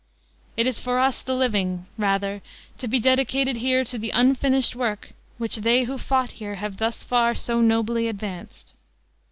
It is for us, the living, rather to be dedicated here to the unfinished work which they who fought here have thus far so nobly advanced.